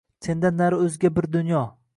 Sendan nari oʼzga bir dunyo.